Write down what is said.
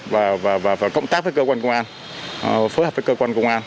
và phải cộng tác với cơ quan công an phối hợp với cơ quan công an